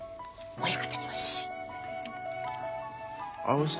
親方にはシ。